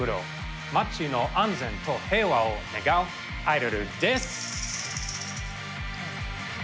街の安全と平和を願うアイドルです！